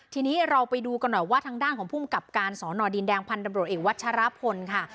ทีนี้เราไปดูกันหน่อยว่าทางด้านของภูมิกับการสอนอดินแดงพันธบรวจเอกวัชรพลค่ะ